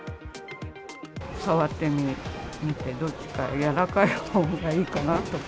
触ってみてどっちか、柔らかいほうがいいかなとか。